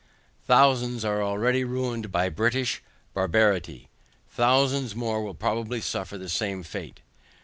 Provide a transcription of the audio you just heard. Thousands are already ruined by British barbarity; (thousands more will probably suffer the same fate.)